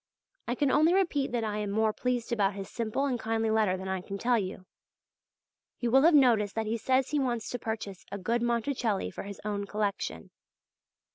I can only repeat that I am more pleased about his simple and kindly letter than I can tell you. You will have noticed that he says he wants to purchase a good Monticelli for his own collection.